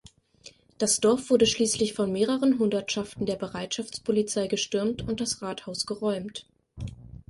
Das Dorf wurde schließlich von mehreren Hundertschaften der Bereitschaftspolizei gestürmt und das Rathaus geräumt.